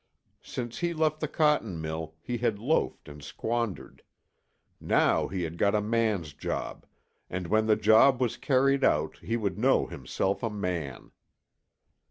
Since he left the cotton mill he had loafed and squandered; now he had got a man's job, and when the job was carried out he would know himself a man.